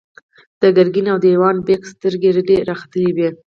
د ګرګين او دېوان بېګ سترګې رډې راختلې وې.